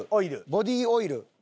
ボディーオイル。